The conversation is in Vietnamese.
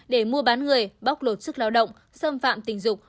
để mua bán người bóc lột sức lao động xâm phạm tình dục